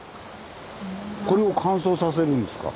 これを乾燥させるんですか？